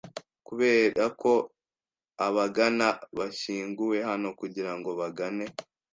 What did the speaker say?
Kuberako abangana bashyinguwe hano kugirango bangane